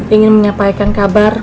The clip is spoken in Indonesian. ingin menyampaikan kabar